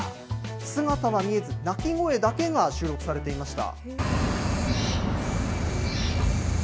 姿は見えず、鳴き声だけが収録されていました。